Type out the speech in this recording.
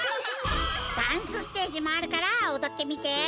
ダンスステージもあるからおどってみて！